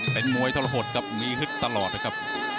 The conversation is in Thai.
เป็นมวยทรหดครับมีฮึดตลอดนะครับ